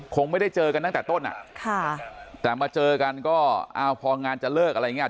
คงไม่ได้เจอกันตั้งแต่ต้นอ่ะค่ะแต่มาเจอกันก็อ้าวพองานจะเลิกอะไรอย่างเงี้